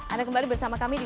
anda kembali bersama kami di